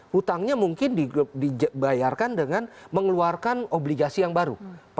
hutangnya mungkin dibayarkan dengan mengeluarkan obligasi yang baru